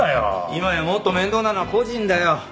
今やもっと面倒なのは個人だよ。